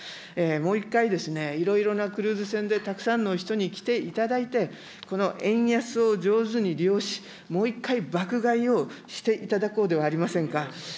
もう一回、いろいろなクルーズ船でたくさんの人に来ていただいて、この円安を上手に利用し、もう一回、爆買いをしていただこうではありませんか。